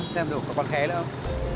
xem đủ còn khé nữa không